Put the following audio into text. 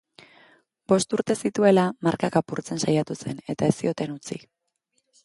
Bost urte zituela markak apurtzen saiatu zen eta ez zioten utzi.